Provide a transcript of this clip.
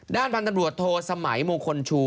ด้านพันธบรวจโทสมัยมงคลชู